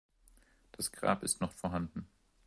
Das Grab ist noch vorhanden.